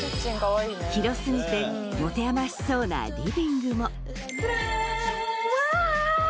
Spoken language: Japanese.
広過ぎて持て余しそうなリビングもタラン！